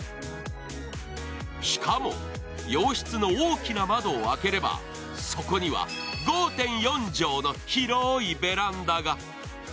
しかも、洋室の大きな窓を開ければそこには５．４畳の広いベランダが。